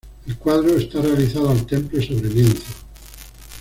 El cuadro está realizado al temple sobre lienzo.